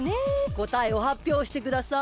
こたえをはっぴょうしてください。